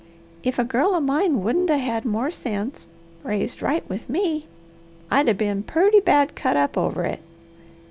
If a girl of mine wouldn't 'a' had more sense, raised right with me, I'd' a' been purty bad cut up over it.